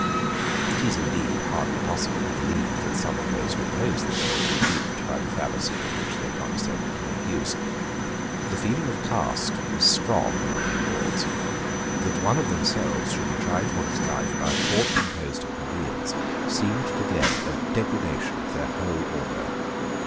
It is indeed hardly possible to believe that some of those who opposed the bill were duped by the fallacy of which they condescended to make use. The feeling of caste was strong among the Lords. That one of themselves should be tried for his life by a court composed of plebeians seemed to them a degradation of their whole order.